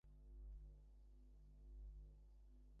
আমরা তাঁহাকে ছাড়া অন্য সব কিছু চাই।